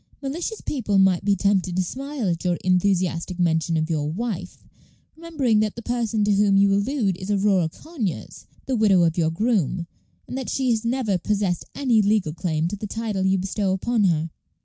Malicious people might be tempted to smile at your enthusiastic mention of your 'wife,' remembering that the person to whom you allude is Aurora Conyers, the widow of your groom, and that she has never possessed any legal claim to the title you bestow upon her."